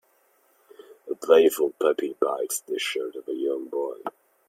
A playful puppy bites the shirt of a young boy.